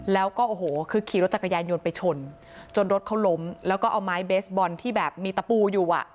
แล้วก็โอ้โหคือขี่รถจักรยานยนต์ไปชนจนรถเขาล้มแล้วก็เอาไม้เบสบอลที่แบบมีตะปูอยู่อ่ะ